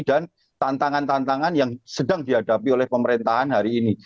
dan tantangan tantangan yang sedang dihadapi oleh pemerintahan hari ini